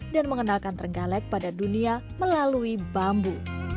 dan mengenalkan trenggale pada dunia melalui bambu